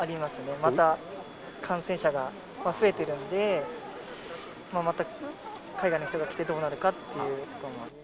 また感染者が増えているので、また海外の人が来てどうなるかっていうことも。